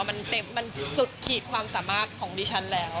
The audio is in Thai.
มันสุดขีดความสามารถของดิฉันแล้ว